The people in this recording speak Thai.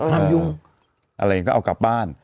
อะไรอย่างนี้ก็เอากลับบ้าน